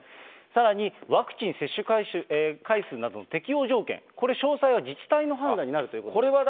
さらにワクチン接種回数などの適用条件、これ、詳細は自治体の判断になるということです。